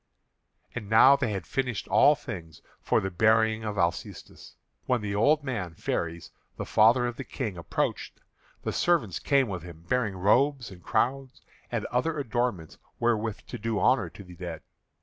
And now they had finished all things for the burying of Alcestis, when the old man Pheres, the father of the King, approached, and servants came with him bearing robes and crowns and other adornments wherewith to do honour to the dead.